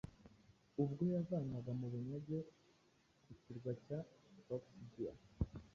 ubwo yavanwaga mu bunyage ku kirwa cya Ogygia